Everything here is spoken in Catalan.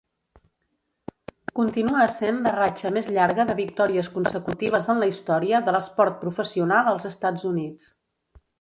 Continua essent la ratxa més llarga de victòries consecutives en la història de l'esport professional als Estats Units.